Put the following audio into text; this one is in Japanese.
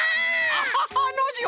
アハハノージー